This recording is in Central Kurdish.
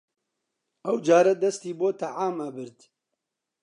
ئەوجارە دەستی بۆ تەعام ئەبرد